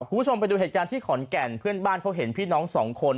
คุณผู้ชมไปดูเหตุการณ์ที่ขอนแก่นเพื่อนบ้านเขาเห็นพี่น้องสองคน